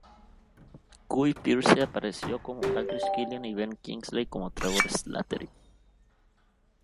Guy Pearce apareció como Aldrich Killian y Ben Kingsley como Trevor Slattery.